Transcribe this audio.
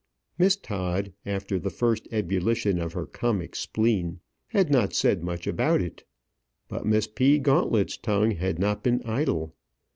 Miss Todd, after the first ebullition of her comic spleen, had not said much about it; but Miss P. Gauntlet's tongue had not been idle.